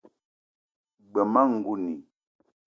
G-beu ma ngouni